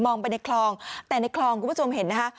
ไปในคลองแต่ในคลองคุณผู้ชมเห็นนะคะ